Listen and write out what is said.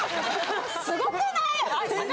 すごくない？